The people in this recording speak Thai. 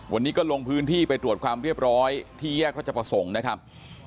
วันนี้ก็ลงพื้นที่ไปตรวจความเรียบร้อยที่แยกราชประสงค์นะครับ